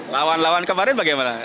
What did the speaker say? lawan lawan kemarin bagaimana